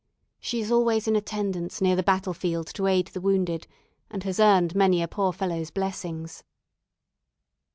She is always in attendance near the battle field to aid the wounded, and has earned many a poor fellow's blessings."